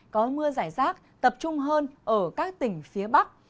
có mưa giải rác tập trung hơn ở các tỉnh phía bắc